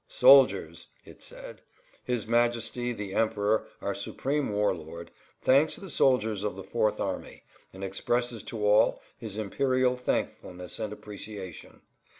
"Soldiers," it said, "His Majesty, the Emperor, our Supreme War Lord, thanks the soldiers of the Fourth Army, and expresses to all his imperial thankfulness and appreciation.